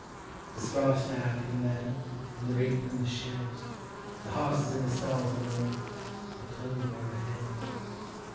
The strawstack in the medder, and the reaper in the shed; The bosses in theyr stalls below — the clover over head